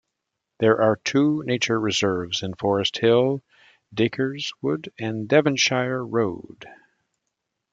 There are two nature reserves in Forest Hill, Dacres Wood and Devonshire Road.